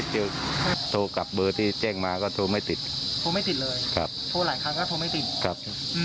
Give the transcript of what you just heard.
หลังจากนั้นยังไงต่อครับ